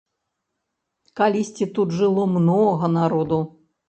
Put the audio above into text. Калісьці тут жыло многа народу.